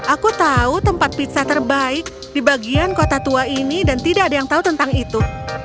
aku tahu tempat pizza terbaik di bagian kota tua ini dan tidak ada yang tahu tentang itu